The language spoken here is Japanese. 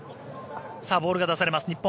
さあ、ボールが出されます。